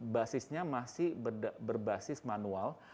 basisnya masih berbasis manual